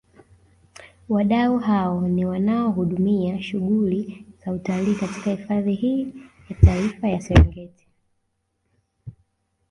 Wadau hao ni wanaohudumia shughuli za utalii katika hifadhi hii ya Taifa ya Serengeti